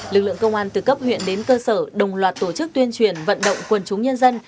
lực lượng công an từ cấp huyện đến cơ sở đồng loạt tổ chức tuyên truyền vận động quần chúng nhân dân